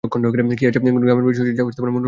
কী আছে গ্রামের বাইরে শশীর যা মনোহরণ করিতে পারবে?